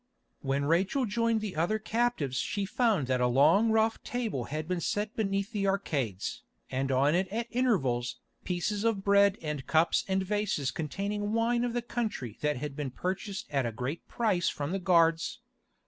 When Rachel joined the other captives she found that a long rough table had been set beneath the arcades, and on it at intervals, pieces of bread and cups and vases containing wine of the country that had been purchased at a great price from the guards.